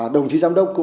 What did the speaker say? đồng chí giám đốc